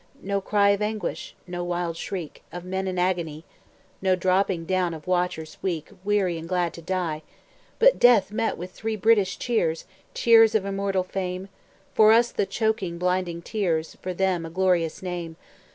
No cry of anguish, no wild shriek Of men in agony No dropping down of watchers weak, Weary and glad to die, But death met with three British cheers Cheers of immortal fame; For us the choking, blinding tears For them a glorious name.